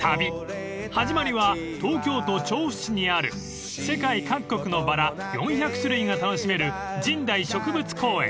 ［始まりは東京都調布市にある世界各国のバラ４００種類が楽しめる神代植物公園］